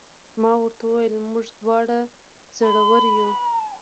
ما ورته وویل: موږ دواړه زړور یو.